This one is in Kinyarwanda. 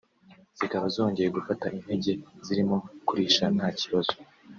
zikaba zongeye gufata intege zirimo kurisha nta kibazo